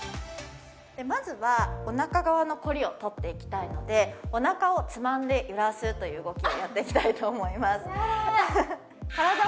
まずはおなか側の凝りをとっていきたいのでおなかをつまんで揺らすという動きをやっていきたいと思いますヤダ！